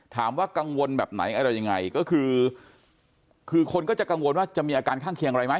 กังวลแบบไหนอะไรยังไงก็คือคือคนก็จะกังวลว่าจะมีอาการข้างเคียงอะไรไหม